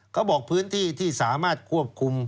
เขาบอกพื้นที่ที่สามารถควบคุม